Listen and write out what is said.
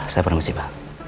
saya permisi pak